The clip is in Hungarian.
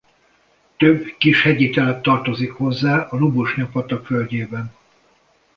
Több kis hegyi telep tartozik hozzá a Lubochnya-patak völgyében.